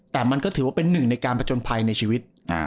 แต่มันก็ถือว่าเป็นหนึ่งในการประจนภัยในชีวิต